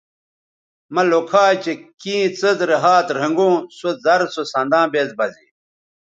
مہ لوکھا چہء کیں څیز رے ھات رھنگوں سو زر سو سنداں بیز بہ زے